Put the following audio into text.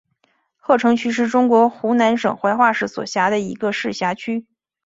鹤城区是中国湖南省怀化市所辖的一个市辖区。